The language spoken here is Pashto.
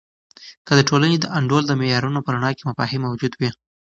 که د ټولنې د انډول د معیارونو په رڼا کې مفاهیم موجود وي.